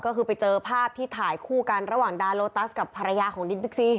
ก็คือไปเจอภาพที่ถ่ายคู่กันระหว่างดาโลตัสกับภรรยาของนิดบิ๊กซี